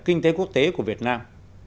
kinh tế quốc tế của việt nam